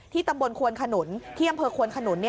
ตำบลควนขนุนที่อำเภอควนขนุน